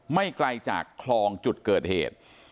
ไม่ไกลจากคลองจุดเกิดเหตุ